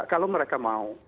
kalau mereka mau